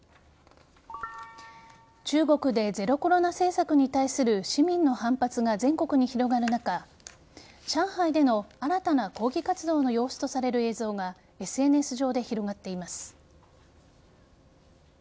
中国でゼロコロナ政策に対する市民の反発が全国に広がる中上海での新たな抗議活動の様子とされる映像がＳＮＳ上で広がっています。